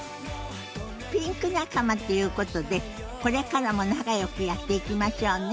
ピンク仲間っていうことでこれからも仲よくやっていきましょうね。